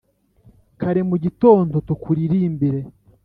Kare mu gitondo tukuririmbire: